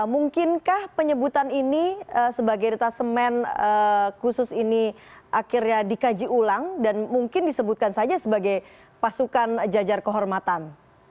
mungkinkah penyebutan ini sebagai detasemen khusus ini akhirnya dikaji ulang dan mungkin disebutkan saja sebagai pasukan jajar kehormatan